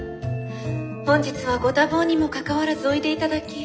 本日はご多忙にもかかわらずおいで頂き